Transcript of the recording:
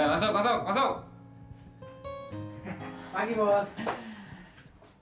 ayo masuk masuk masuk